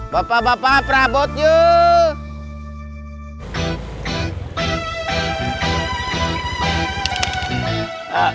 bapak bapak prabut yuk